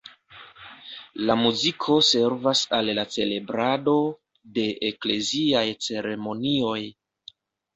La muziko servas al la celebrado de ekleziaj ceremonioj.